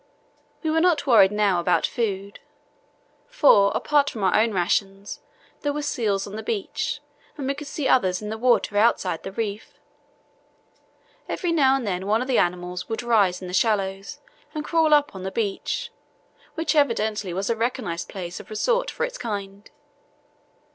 We were not worried now about food, for, apart from our own rations, there were seals on the beach and we could see others in the water outside the reef. Every now and then one of the animals would rise in the shallows and crawl up on the beach, which evidently was a recognized place of resort for its kind.